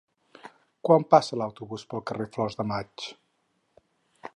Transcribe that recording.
Quan passa l'autobús pel carrer Flors de Maig?